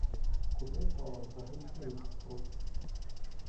Куди-то за гріхи їх впруть.